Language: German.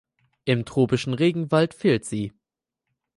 Im tropischen Regenwald fehlt sie.